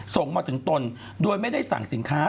ส่งมาถึงตนโดยไม่ได้สั่งสินค้า